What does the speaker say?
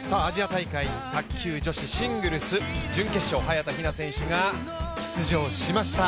大会卓球女子シングルス準決勝、早田ひな選手が出場しました。